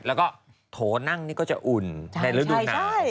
แล้วก็โถนั่งนี่ก็จะอุ่นในฤดูหนาว